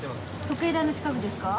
時計台の近くですか？